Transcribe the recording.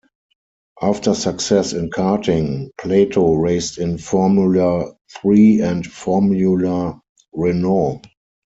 After success in karting, Plato raced in Formula Three and Formula Renault.